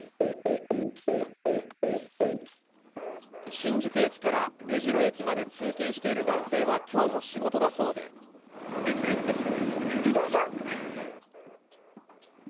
新宿駅から目白駅まで通勤している男性は、きょうも仕事だそ自転車で行くしかないですね。